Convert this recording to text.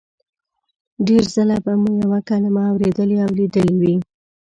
ډېر ځله به مو یوه کلمه اورېدلې او لیدلې وي